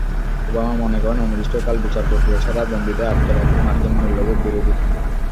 Obama মনে করেন, অনির্দিষ্টকাল বিচার প্রক্রিয়া ছাড়া বন্দীদের আটকে রাখা মার্কিন মূল্যবোধ বিরোধী।